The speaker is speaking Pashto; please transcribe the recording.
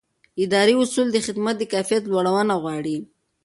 اداري اصول د خدمت د کیفیت لوړونه غواړي.